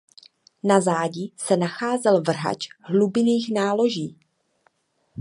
Na zádi se nacházel vrhač hlubinných náloží.